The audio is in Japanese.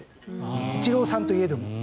イチローさんといえども。